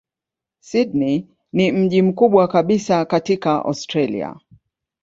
Sydney ni mji mkubwa kabisa katika Australia.